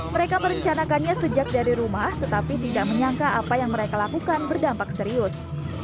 mereka merencanakannya sejak dari rumah tetapi tidak menyangka apa yang mereka lakukan berdampak serius